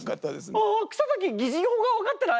いやあ草滝擬人法が分かってない。